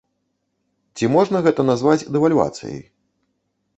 Ці можна гэта назваць дэвальвацыяй?